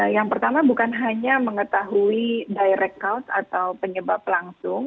yang pertama bukan hanya mengetahui direct cause atau penyebab langsung